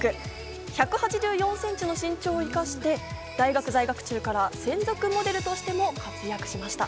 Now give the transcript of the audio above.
１８４ｃｍの身長を生かして、大学在学中から専属モデルとしても活躍しました。